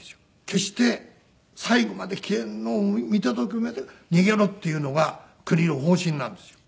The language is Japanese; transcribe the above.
決して最後まで消えるのを見届けて逃げろっていうのが国の方針なんですよ。